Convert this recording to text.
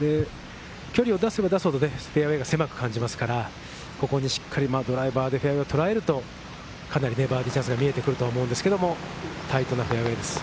距離を出せば出すほど、フェアウエーが狭く感じますから、ここにしっかりドライバーでフェアウエーをとらえると、かなりバーディーチャンスが見えてくると思うんですけど、タイトなフェアウエーです。